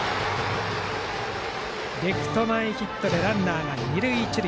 レフト前ヒットでランナーが二塁一塁。